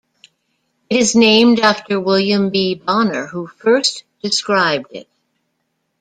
It is named after William B. Bonnor who first described it.